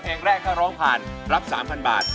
เพลงแรกถ้าร้องผ่านรับ๓๐๐บาท